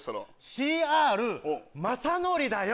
ＣＲ雅紀だよ。